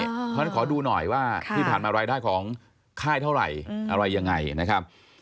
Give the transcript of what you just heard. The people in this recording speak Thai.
เพราะฉะนั้นขอดูหน่อยว่าที่ผ่านมารายได้ของค่ายเท่าไหร่อะไรยังไงนะครับ